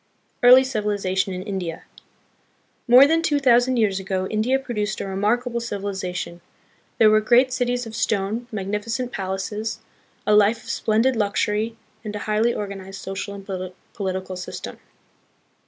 Early Civilization in India. More than two thou sand years ago, India produced a remarkable civili zation. There were great cities of stone, magnificent palaces, a life of splendid luxury, and a highly organized social and political system.